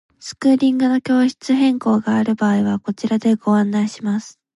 スクーリングの教室変更がある場合はこちらでご案内します。